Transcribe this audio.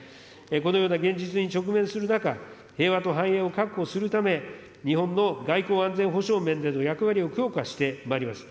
このような現実に直面する中、平和と繁栄を確保するため、日本の外交安全保障面での役割を強化してまいります。